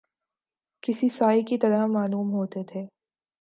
کسی سائے کی طرح معلوم ہوتے تھے